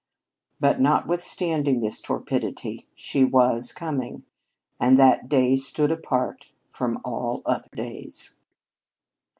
But notwithstanding this torpidity, She was coming, and that day stood apart from all other days.